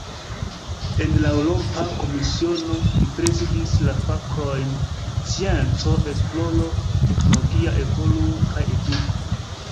En la Eŭropa Komisiono, li prezidis la fakojn "scienco, esploro, teknologia evoluo kaj eduko".